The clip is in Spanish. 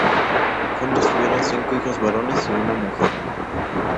Juntos tuvieron cinco hijos varones y una mujer.